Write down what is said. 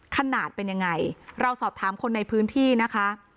ขนาดเป็นยังไงเราสอบถามคนในพื้นที่นะคะ